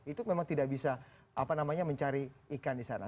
itu memang tidak bisa mencari ikan di sana